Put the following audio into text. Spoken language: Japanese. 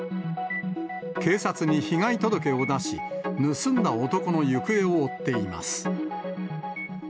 警察に被害届を出し、盗んだ男の行方を追っています。